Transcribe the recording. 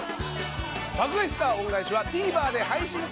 『爆買い☆スター恩返し』はＴＶｅｒで配信中。